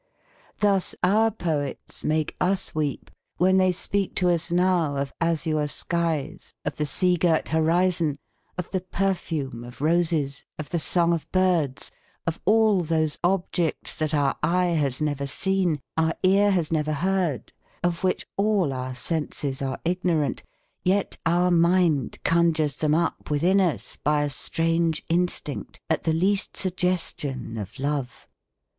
Thus our poets make us weep, when they speak to us now of azure skies, of the sea girt horizon, of the perfume of roses, of the song of birds, of all those objects that our eye has never seen, our ear has never heard, of which all our senses are ignorant, yet our mind conjures them up within us by a strange instinct at the least suggestion of love.